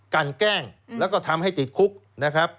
กันแกล้งแล้วก็ทำให้ติดคุกนะครับ